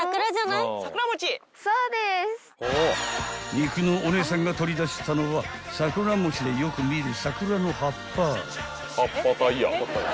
［肉のお姉さんが取り出したのは桜餅でよく見る］